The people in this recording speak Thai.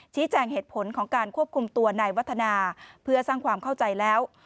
แจ้งเหตุผลของการควบคุมตัวนายวัฒนาเพื่อสร้างความเข้าใจแล้ว